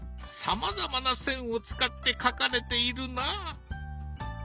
さまざまな線を使って描かれているな。